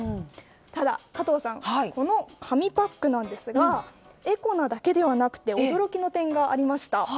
ただ、加藤さんこの紙パックなんですがエコなだけではなくて驚きの点がありました。